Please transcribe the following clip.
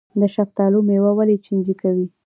د شفتالو میوه ولې چینجي کوي؟